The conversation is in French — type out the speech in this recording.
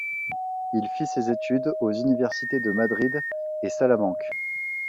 Il fit ses études aux universités de Madrid et Salamanque.